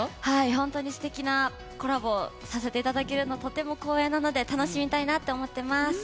本当にすてきなコラボをさせていただけるのとても光栄なので楽しみたいと思っています。